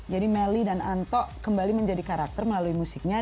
jadi meli dan anto kembali menjadi karakter melalui musiknya